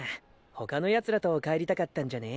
他の奴らと帰りたかったんじゃね？